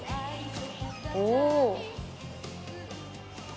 おお。